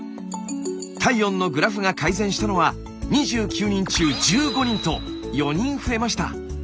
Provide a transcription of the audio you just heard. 体温のグラフが改善したのは２９人中１５人と４人増えました。